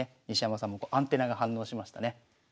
西山さんもアンテナが反応しましたね。